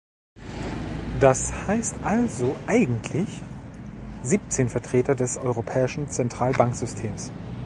Das heißt also eigentlich siebzehn Vertreter des Europäischen Zentralbanksystems.